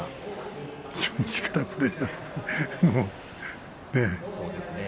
初日からね。